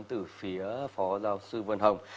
từ phía phó giáo sư vân hồng